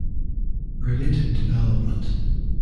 Related development